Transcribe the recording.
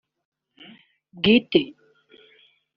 bwite